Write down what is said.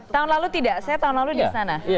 tahun lalu tidak saya tahun lalu di sana